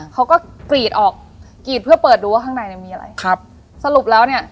เขาก็กรีดออกกรีดเพื่อเปิดดูว่าข้างในเนี้ยมีอะไรครับสรุปแล้วเนี้ย